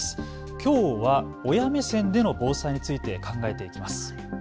きょうは親目線での防災について考えていきます。